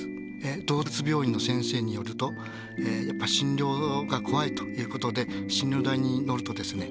動物病院の先生によるとやっぱり診療が怖いということで診療台に乗るとですねね